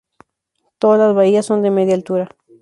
Todas las bahías son de media altura.